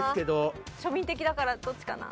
庶民的だからどっちかな。